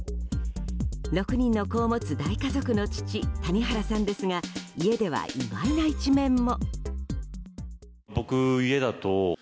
６人の子を持つ大家族の父、谷原さんですが家では意外な一面も。